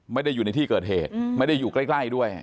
ไม่ได้อยู่ในที่เกิดเหตุไม่ได้อยู่ใกล้ด้วย